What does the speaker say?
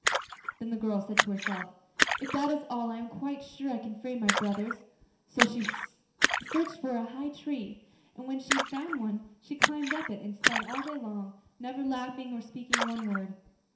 Then the girl said to herself: 'If that is all I am quite sure I can free my brothers.' So she searched for a high tree, and when she had found one she climbed up it and spun all day long, never laughing or speaking one word.